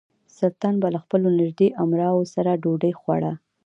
سلطان به له خپلو نژدې امراوو سره ډوډۍ خوړه.